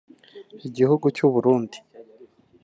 Igihugu cy’u Burundi